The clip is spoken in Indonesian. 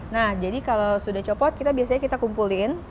nah jadi kalau sudah copot kita biasanya kita kumpulin